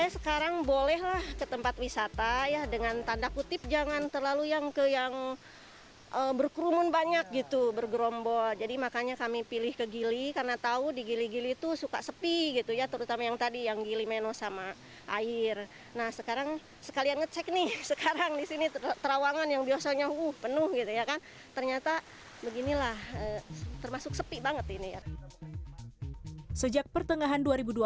sejak pertengahan dua ribu dua puluh